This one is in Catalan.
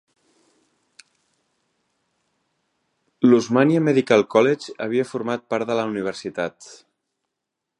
L'Osmania Medical College havia format part de la universitat.